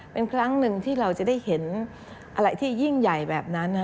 เป็นครั้งหนึ่งที่เราจะได้เห็นอะไรที่ยิ่งใหญ่แบบนั้น